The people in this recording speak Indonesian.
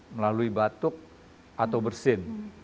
melalui batuk atau bersin